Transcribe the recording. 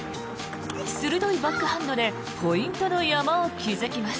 鋭いバックハンドでポイントの山を築きます。